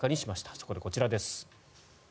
そこでこちらです。